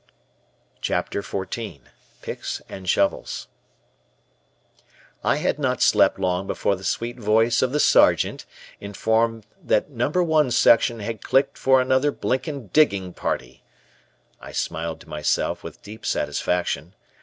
CHAPTER XIV PICKS AND SHOVELS I had not slept long before the sweet voice of the Sergeant informed that "No. I Section had clicked for another blinking digging party," I smiled to myself with deep satisfaction.